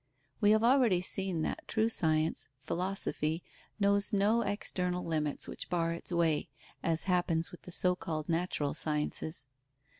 We have already seen that true science, philosophy, knows no external limits which bar its way, as happens with the so called natural sciences.